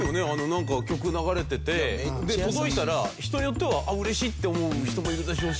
なんか曲流れててで届いたら人によってはあっ嬉しいって思う人もいるでしょうし。